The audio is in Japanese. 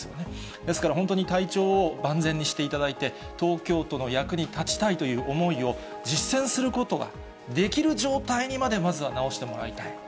ですから本当に体調を万全にしていただいて、東京都の役に立ちたいという思いを実践することができる状態にまで、まずは治してもらいたい。